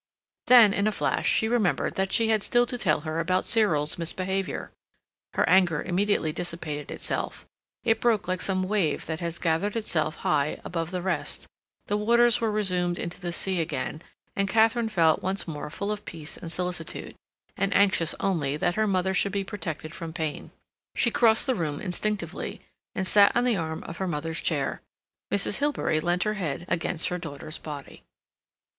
Then, in a flash, she remembered that she had still to tell her about Cyril's misbehavior. Her anger immediately dissipated itself; it broke like some wave that has gathered itself high above the rest; the waters were resumed into the sea again, and Katharine felt once more full of peace and solicitude, and anxious only that her mother should be protected from pain. She crossed the room instinctively, and sat on the arm of her mother's chair. Mrs. Hilbery leant her head against her daughter's body.